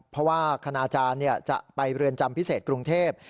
เพราะว่าคณาจารย์จะไปเรือนจำพิเศษกรุงเทพ